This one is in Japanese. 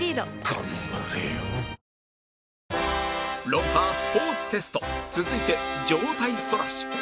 『ロンハー』スポーツテスト続いて上体反らし